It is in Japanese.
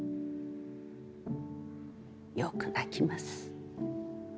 よく泣きます。